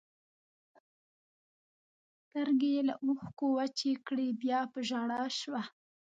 سترګې یې له اوښکو وچې کړې، بیا په ژړا شوه.